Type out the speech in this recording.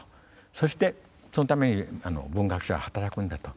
そしてそのために文学者は働くんだと。